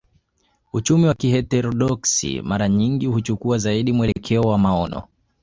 Uchumi wa kiheterodoksi mara nyingi huchukua zaidi mwelekeo wa maono